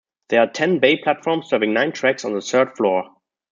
There are ten bay platforms serving nine tracks on the third floor.